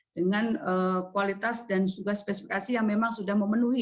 dengan kualitas dan juga spesifikasi yang memang sudah memenuhi